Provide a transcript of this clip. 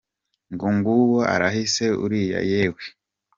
Ngo nguwo arahise, uriya yewee !!